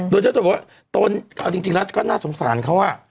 โดยจะบอกว่าตนเอาจริงจริงแล้วก็น่าสงสารเขาอ่ะ